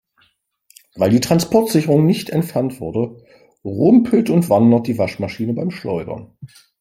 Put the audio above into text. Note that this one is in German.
Weil die Transportsicherung nicht entfernt wurde, rumpelt und wandert die Waschmaschine beim Schleudern.